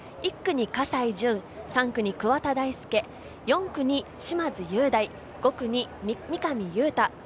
１区に葛西潤、３区に桑田大輔、４区に嶋津雄大、５区に三上雄太。